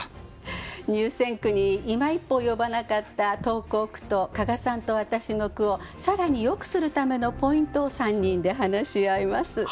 入選句にいま一歩及ばなかった投稿句と加賀さんと私の句を更によくするためのポイントを３人で話し合います。